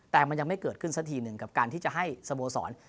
แต่มันยังไม่เกิดขึ้นสักทีหนึ่งกับการที่จะให้สโมสร